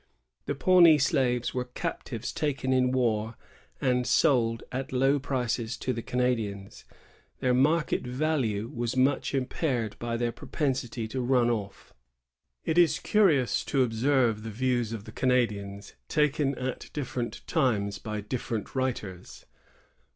The Pawnee slaves were captives taken in war and sold at low prices to the Canadians. Their market value was much impaired by their proj)cnsity to run off. It is curious to oljscrve the views of the Canadians taken at different times by different writers.